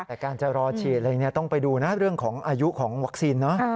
ไปการจะรอฉีดต้องไปดูนะเรื่องของอายุของวัคซีนเนอะ